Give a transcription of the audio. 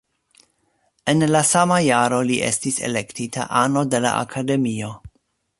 En la sama jaro li estis elektita ano de la Akademio.